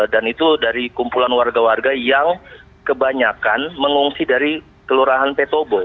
dan itu dari kumpulan warga warga yang kebanyakan mengungsi dari kelurahan petobo